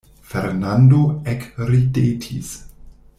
Fernando ekridetis.